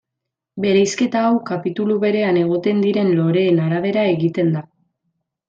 Bereizketa hau kapitulu berean egoten diren loreen arabera egin da.